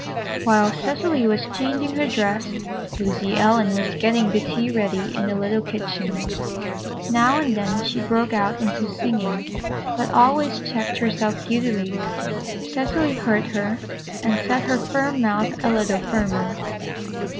While Cecily was changing her dress, Lucy Ellen was getting the tea ready in the little kitchen. Now and then she broke out into singing, but always checked herself guiltily. Cecily heard her and set her firm mouth a little firmer.